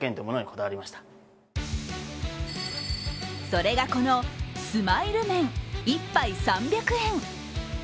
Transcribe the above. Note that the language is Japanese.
それがこのスマイル麺１杯３００円。